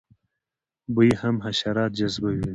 بوی هم حشرات جذبوي